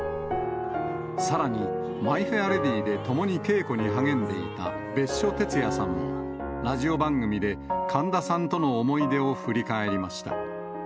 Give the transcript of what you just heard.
さらに、マイ・フェア・レディで共に稽古に励んでいた別所哲也さんも、ラジオ番組で、神田さんとの思い出を振り返りました。